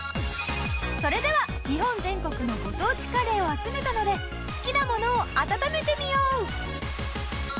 それでは日本全国のご当地カレーを集めたので好きなものを温めてみよう！